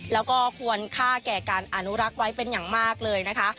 แล้วก็ควรค่าแก่การอนุรักษ์ไว้เป็นอย่างมากเลยนะคะ